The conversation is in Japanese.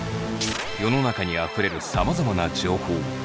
世の中にあふれるさまざまな情報。